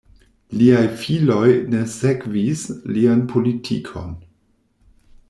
Liaj filoj ne sekvis lian politikon.